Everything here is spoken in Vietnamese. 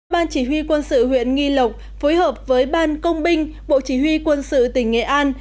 ban chỉ huy quân sự huyện nghi lộc phối hợp với ban công binh bộ chỉ huy quân sự tỉnh nghệ an